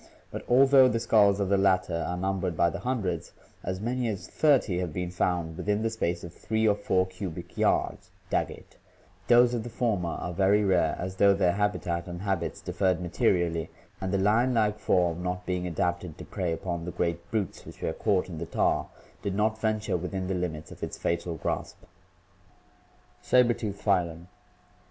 But although the skulls of the latter are numbered by the hundreds, as many as thirty having been found within the space of three or four cubic yards (Daggett),' those of the former are very rare, as though their habitat and habits differed materially, and the lion like form, not being adapted to prey upon the great brutes which were caught in the tar, did not venture within the limits of its fatal grasp. Saber tooth Phylum.